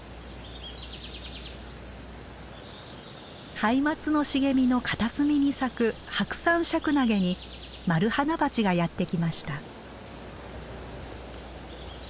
ハイマツの茂みの片隅に咲くハクサンシャクナゲにマルハナバチがやって来ました。